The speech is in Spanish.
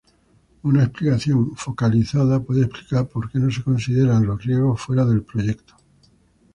Una explicación, focalizada, puede explicar porque no se considera los riesgos fuera del proyecto.